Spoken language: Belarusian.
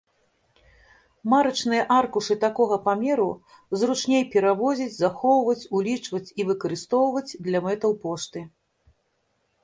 Марачныя аркушы такога памеру зручней перавозіць, захоўваць, улічваць і выкарыстоўваць для мэтаў пошты.